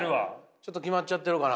ちょっとキマっちゃってるかな？